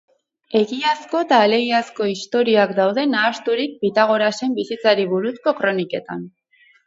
Egiazko eta alegiazko historiak daude nahasturik Pitagorasen bizitzari buruzko kroniketan.